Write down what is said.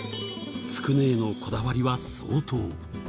つくねへのこだわりは相当。